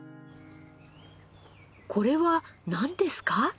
これはなんですか？